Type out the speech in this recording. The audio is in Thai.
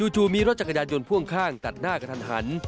จู่มีรถจักรยานยนต์พ่วงข้างตัดหน้ากระทันหัน